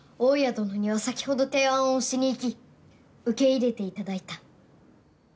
どのには先ほど提案をしに行き受け入れて頂いた。